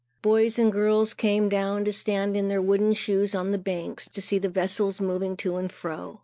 Boys and girls came down to stand in their wooden shoes on the banks, to see the vessels moving to and fro.